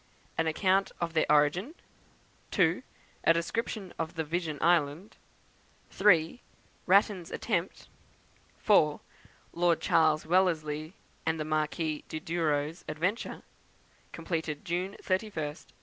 An Account of their Origin; 2. A Description of Vision Island; 3. Ratten's Attempt; 4. Lord Charles Wellesley and the Marquis of Douro's Adventure; completed June 31st, 1829.